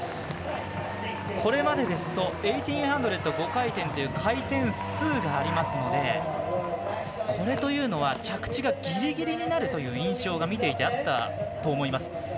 これまでですと１８００５回転という回転数がありますのでこれというのは着地がギリギリになるという印象が見ていてあったと思います。